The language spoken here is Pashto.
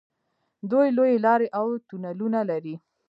دوی لویې لارې او تونلونه لري.